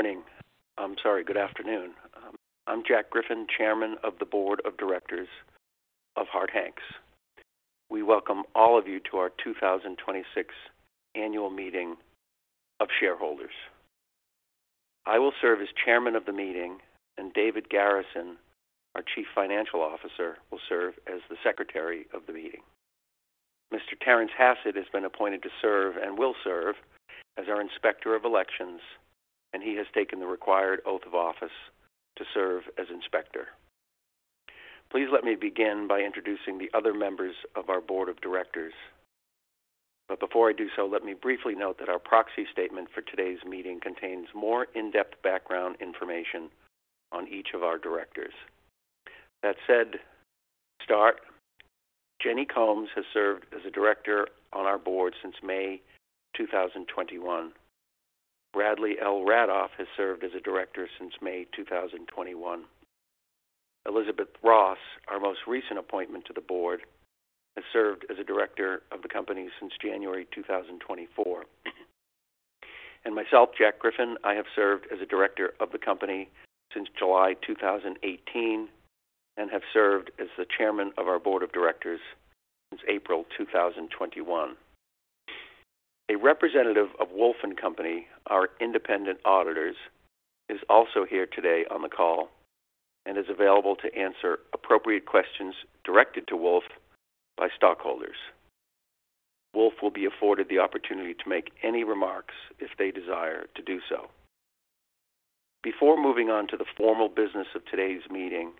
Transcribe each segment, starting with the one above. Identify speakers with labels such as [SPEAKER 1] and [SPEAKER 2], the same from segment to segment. [SPEAKER 1] Good morning. I'm sorry, good afternoon. I'm Jack Griffin, Chairman of the Board of Directors of Harte Hanks. We welcome all of you to our 2026 Annual Meeting of Shareholders. I will serve as Chairman of the meeting, and David Garrison, our Chief Financial Officer, will serve as the Secretary of the meeting. Mr. Terrence Hassett has been appointed to serve and will serve as our Inspector of Elections, and he has taken the required oath of office to serve as Inspector. Please let me begin by introducing the other members of our board of directors. Before I do so, let me briefly note that our Proxy Statement for today's meeting contains more in-depth background information on each of our directors. That said, to start, Genni Combes has served as a Director on our Board since May 2021. Bradley L. Radoff has served as a Director since May 2021. Elizabeth Ross, our most recent appointment to the Board, has served as a Director of the company since January 2024. Myself, Jack Griffin, I have served as a Director of the company since July 2018 and have served as the Chairman of our Board of Directors since April 2021. A representative of Wolf & Company, our independent auditors, is also here today on the call and is available to answer appropriate questions directed to Wolf by stockholders. Wolf will be afforded the opportunity to make any remarks if they desire to do so. Before moving on to the formal business of today's meeting,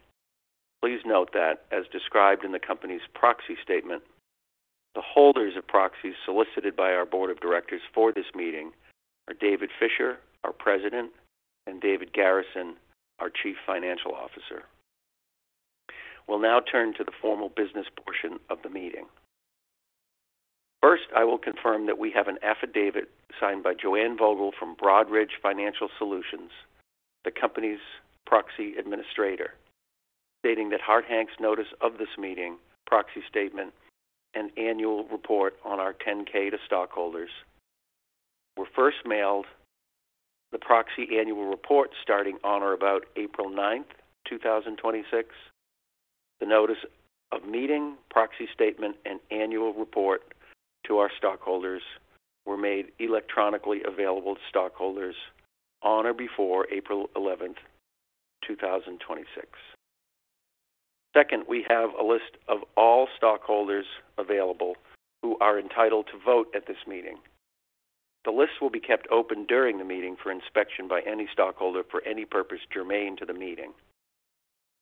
[SPEAKER 1] please note that, as described in the company's Proxy Statement, the holders of proxies solicited by our board of directors for this meeting are David Fisher, our President, and David Garrison, our Chief Financial Officer. We will now turn to the formal business portion of the meeting. First, I will confirm that we have an affidavit signed by Joanne Vogel from Broadridge Financial Solutions, the company's proxy administrator, stating that Harte Hanks' notice of this meeting, Proxy Statement, and annual report on our Form 10-K to stockholders were first mailed the proxy annual report starting on or about April 9th, 2026. The notice of meeting, proxy statement, and annual report to our stockholders were made electronically available to stockholders on or before April 11th, 2026. Second, we have a list of all stockholders available who are entitled to vote at this meeting. The list will be kept open during the meeting for inspection by any stockholder for any purpose germane to the meeting.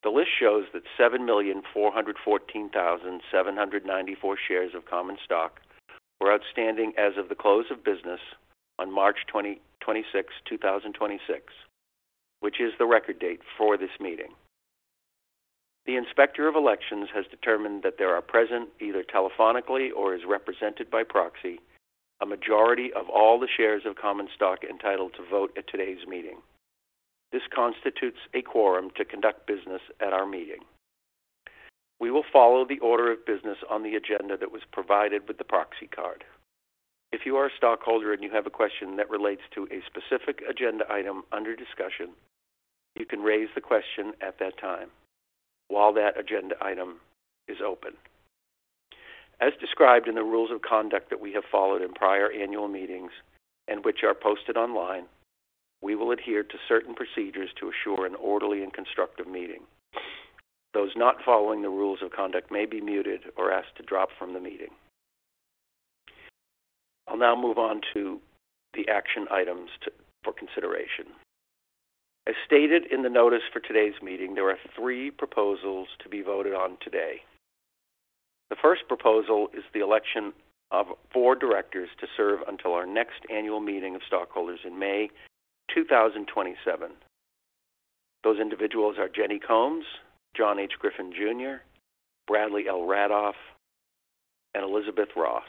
[SPEAKER 1] The list shows that 7,414,794 shares of common stock were outstanding as of the close of business on March 26, 2026, which is the record date for this meeting. The Inspector of Elections has determined that there are present, either telephonically or as represented by proxy, a majority of all the shares of common stock entitled to vote at today's meeting. This constitutes a quorum to conduct business at our meeting. We will follow the order of business on the agenda that was provided with the proxy card. If you are a stockholder and you have a question that relates to a specific agenda item under discussion, you can raise the question at that time while that agenda item is open. As described in the rules of conduct that we have followed in prior annual meetings and which are posted online, we will adhere to certain procedures to assure an orderly and constructive meeting. Those not following the rules of conduct may be muted or asked to drop from the meeting. I'll now move on to the action items for consideration. As stated in the notice for today's meeting, there are three proposals to be voted on today. The first proposal is the election of four directors to serve until our next annual meeting of stockholders in May 2027. Those individuals are Genni Combes, John H. Griffin, Jr., Bradley L. Radoff, and Elizabeth Ross.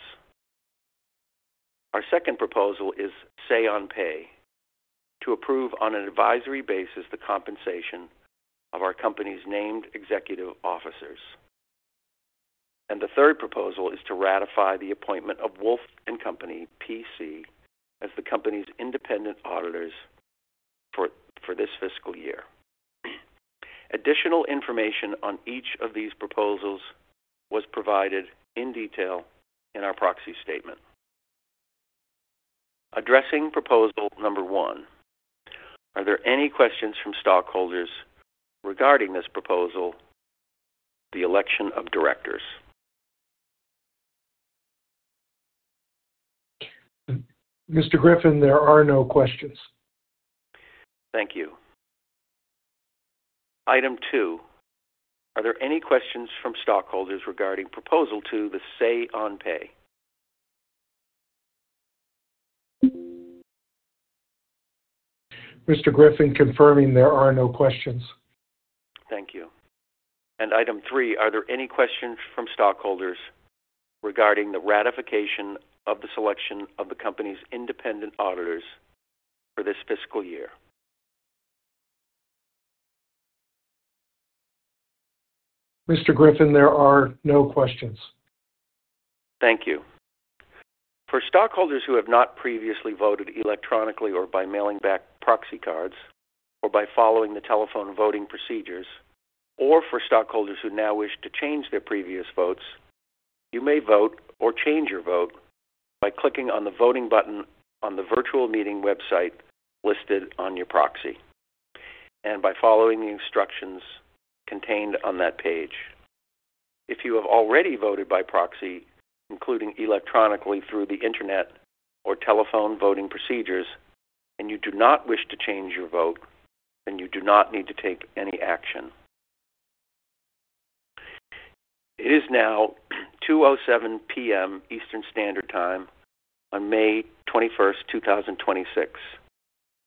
[SPEAKER 1] Our second proposal is Say on Pay, to approve on an advisory basis the compensation of our company's named executive officers. The third proposal is to ratify the appointment of Wolf & Company, P.C. as the company's independent auditors for this fiscal year. Additional information on each of these proposals was provided in detail in our Proxy Statement. Addressing Proposal Number 1, are there any questions from stockholders regarding this proposal, the election of directors?
[SPEAKER 2] Mr. Griffin, there are no questions.
[SPEAKER 1] Thank you. Item 2, are there any questions from stockholders regarding Proposal 2, the Say on Pay?
[SPEAKER 2] Mr. Griffin, confirming there are no questions.
[SPEAKER 1] Thank you. Item three, are there any questions from stockholders regarding the ratification of the selection of the company's independent auditors for this fiscal year?
[SPEAKER 2] Mr. Griffin, there are no questions.
[SPEAKER 1] Thank you. For stockholders who have not previously voted electronically or by mailing back proxy cards or by following the telephone voting procedures, or for stockholders who now wish to change their previous votes, you may vote or change your vote by clicking on the voting button on the virtual meeting website listed on your proxy, and by following the instructions contained on that page. If you have already voted by proxy, including electronically through the internet or telephone voting procedures, and you do not wish to change your vote, then you do not need to take any action. It is now 2:07 P.M. Eastern Standard Time on May 21st, 2026,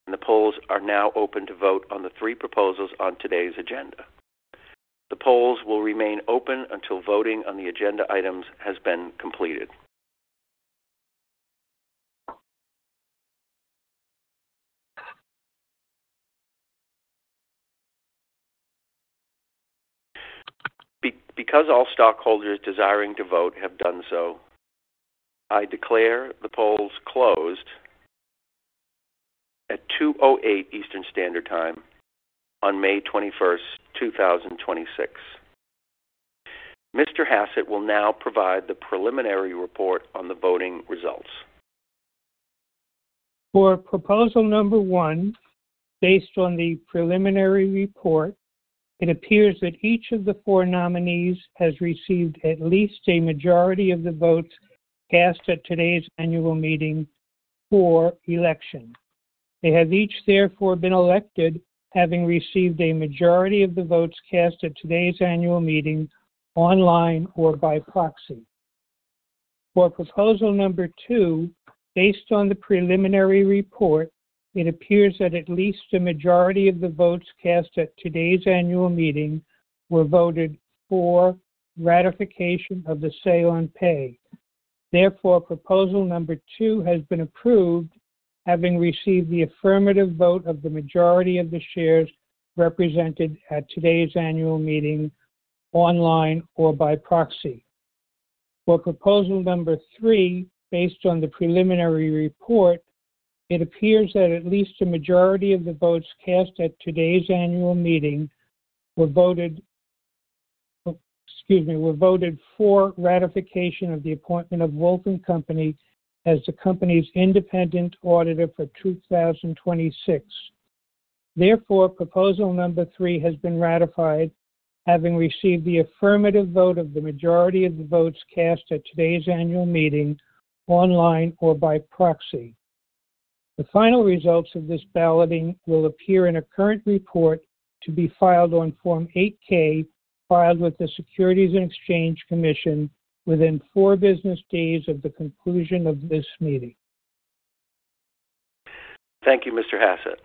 [SPEAKER 1] and the polls are now open to vote on the three proposals on today's agenda. The polls will remain open until voting on the agenda items has been completed. Because all stockholders desiring to vote have done so, I declare the polls closed at 2:08 P.M. Eastern Standard Time on May 21st, 2026. Mr. Hassett will now provide the preliminary report on the voting results.
[SPEAKER 3] For Proposal Number 1, based on the preliminary report, it appears that each of the four nominees has received at least a majority of the votes cast at today's annual meeting for election. They have each therefore been elected, having received a majority of the votes cast at today's annual meeting, online or by proxy. For Proposal Number 2, based on the preliminary report, it appears that at least a majority of the votes cast at today's annual meeting were voted for ratification of the Say on Pay. Therefore, Proposal Number 2 has been approved, having received the affirmative vote of the majority of the shares represented at today's annual meeting, online or by proxy. For Proposal Number 3, based on the preliminary report, it appears that at least a majority of the votes cast at today's annual meeting were voted for ratification of the appointment of Wolf & Company as the company's independent auditor for 2026. Therefore, Proposal Number 3 has been ratified, having received the affirmative vote of the majority of the votes cast at today's annual meeting, online or by proxy. The final results of this balloting will appear in a current report to be filed on Form 8-K, filed with the Securities and Exchange Commission within four business days of the conclusion of this meeting.
[SPEAKER 1] Thank you, Mr. Hassett.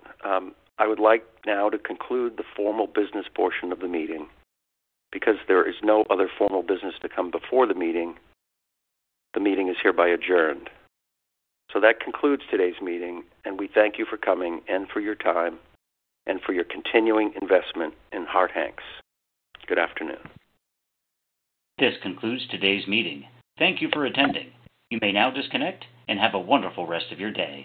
[SPEAKER 1] I would like now to conclude the formal business portion of the meeting. Because there is no other formal business to come before the meeting, the meeting is hereby adjourned. That concludes today's meeting, and we thank you for coming and for your time and for your continuing investment in Harte Hanks. Good afternoon.
[SPEAKER 4] This concludes today's meeting. Thank you for attending. You may now disconnect, and have a wonderful rest of your day.